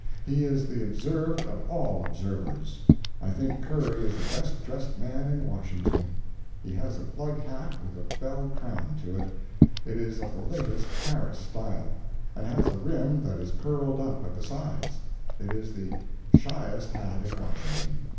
He is the observed of all observers. I think Curry is the best dressed man in Washington. He has a plug hat with a bell crown to it—it is of the latest Paris style, and has a rim that is curled up at the sides. It is the shiest hat in Washington.